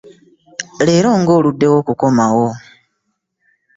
Leero nga oludewo okukomawo.